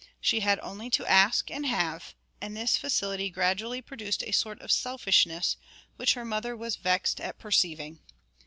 She had only to ask and have, and this facility gradually produced a sort of selfishness which her mother was vexed at perceiving.